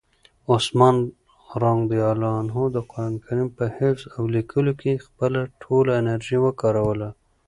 عثمان رض د قرآن کریم په حفظ او لیکلو کې خپله ټوله انرژي وکاروله.